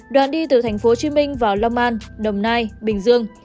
đoạn đi từ tp hcm vào long an đồng nai bình dương